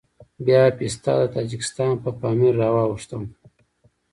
بيا پسته د تاجکستان په پامير راواوښتم.